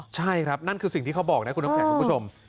ใช่ครับนั่นคือสิ่งที่เขาบอกนะคุณผู้ชม